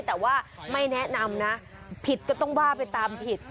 แต่ว่าไม่แนะนำนะผิดก็ต้องว่าไปตามผิด